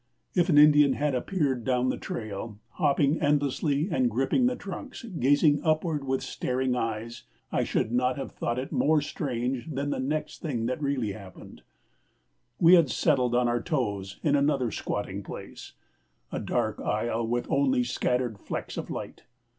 If an Indian had appeared down the trail, hopping endlessly and gripping the trunks, gazing upward with staring eyes, I should not have thought it more strange than the next thing that really happened. We had settled on our toes in another squatting place a dark aisle with only scattered flecks of light.